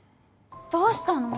・どうしたの？